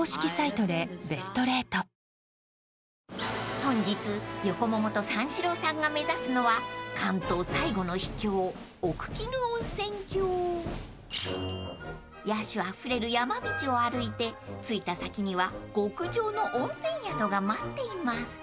［本日横ももと三四郎さんが目指すのは］［野趣あふれる山道を歩いて着いた先には極上の温泉宿が待っています］